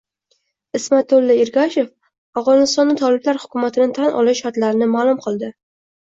Ismatulla Irgashev Afg‘onistonda toliblar hukumatini tan olish shartlarini ma’lum qildi